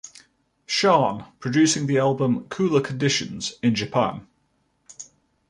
Shan, producing the album "Cooler Conditions" in Japan.